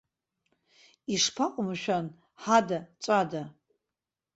Ишԥаҟоу, мшәан, ҳада, ҵәада!